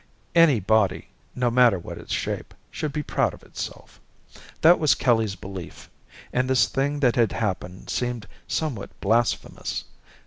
Any body, no matter what its shape, should be proud of itself. That was Kelly's belief, and this thing that had happened seemed somewhat blasphemous.